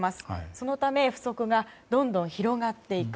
そのため不足がどんどん広がっていく。